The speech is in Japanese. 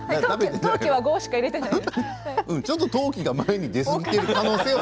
当帰は５しか入れてない。